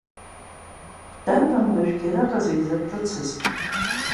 Дарбан уажәгьы араҟа зегь зырҿыцыз?